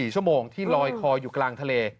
๔ชั่วโมงที่ลอยคออยู่กลางทะเล